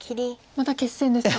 また決戦ですか。